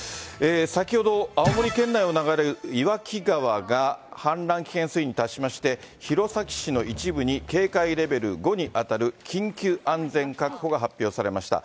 先ほど、青森県内を流れる岩木川が、氾濫危険水位に達しまして、弘前市の一部に警戒レベル５に当たる、緊急安全確保が発表されました。